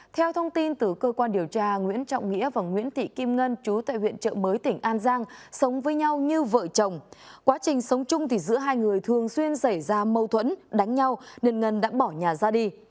theo thông tin từ cơ quan điều tra nguyễn trọng nghĩa và nguyễn thị kim ngân chú tại huyện trợ mới tỉnh an giang sống với nhau như vợ chồng quá trình sống chung thì giữa hai người thường xuyên xảy ra mâu thuẫn đánh nhau nên ngân đã bỏ nhà ra đi